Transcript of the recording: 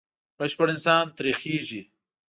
بشپړ انسان ترې خېژي.